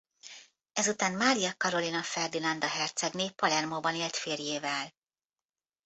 Ezután Mária Karolina Ferdinanda hercegné Palermóban élt férjével.